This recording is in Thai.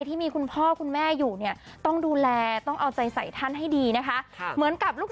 ที่มีคุณพ่อคุณแม่อยู่เนี่ยต้องดูแลต้องเอาใจใส่ท่านให้ดีนะคะเหมือนกับลูก